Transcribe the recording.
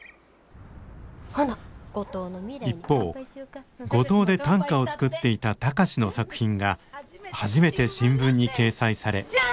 一方五島で短歌を作っていた貴司の作品が初めて新聞に掲載され。